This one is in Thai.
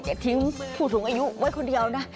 อย่าทิ้งผู้สูงอายุไว้คนเดียวนะ